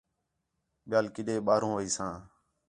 ٻیال کڈے ٻاہروں ویساں